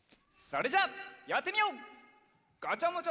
それじゃやってみよう！